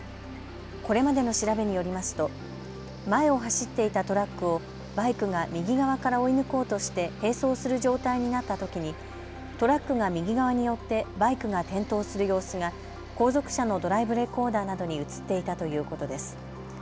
これまでの調べによりますと前を走っていたトラックをバイクが右側から追い抜こうとして並走する状態になったときにトラックが右側に寄ってバイクが転倒する様子が後続車のドライブレコーダーなどに写っていたということです。